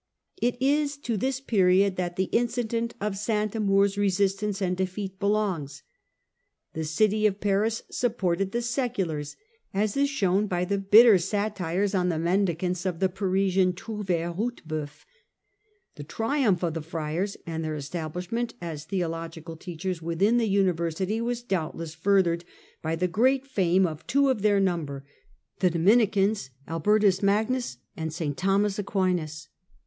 It is to this period that the incident of St Amour's resist ance and defeat belongs. The city of Paris supported the seculars, as is shown by the bitter satires on the Mendicants of the Parisian trouvdre Ruteboeuf. The triumph of the Friars and their establishment as theo logical teachers within the University was doubtless furthered by the great fame of two of their number, the Dominicans Albertus Magnus and St Thomas Aquinas.